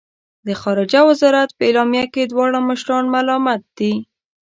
د خارجه وزارت په اعلامیه کې دواړه مشران ملامت دي.